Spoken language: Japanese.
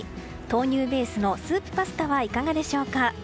豆乳ベースのスープパスタはいかがでしょうか？